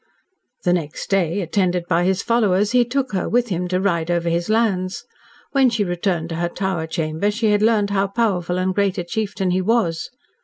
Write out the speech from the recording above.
"The next day, attended by his followers, he took her with him to ride over his lands. When she returned to her tower chamber she had learned how powerful and great a chieftain he was.